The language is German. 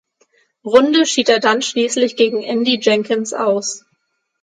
Runde schied er dann schließlich gegen Andy Jenkins aus.